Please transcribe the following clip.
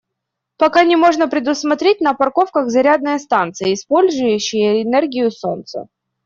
Пока же можно предусмотреть на парковках зарядные станции, использующие энергию солнца.